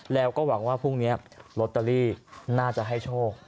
แล้วก็หวังว่าพรุ่งนี้ลอตเตอรี่น่าจะให้โชค